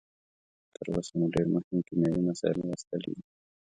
تر اوسه مو ډیر مهم کیمیاوي مسایل لوستلي دي.